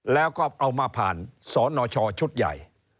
แล้วก็เอามาผ่านสนชชุดใหญ่